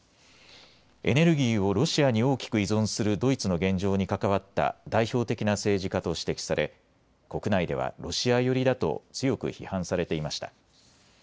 エネルギーをロシアに大きく依存するドイツの現状に関わった代表的な政治家と指摘され国内ではロシア寄りだと強く批判されていました。